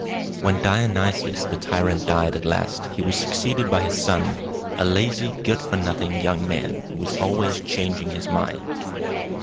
When Dionysius the tyrant died at last, he was succeeded by his son, a lazy, good for nothing young man, who was always changing his mind.